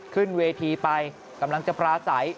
ขึ้นเวทีไปกำลังจะปราศัย